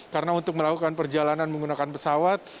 karena untuk melakukan perjalanan menggunakan pesawat